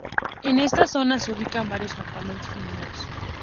En esta zona se ubica varios campamentos mineros.